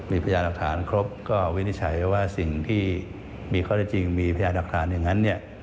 มีพยานหลักฐานครบก็วินิจฉัยว่าสิ่งที่มีข้อได้จริงมีพยานหลักฐานอย่างนั้นเนี่ย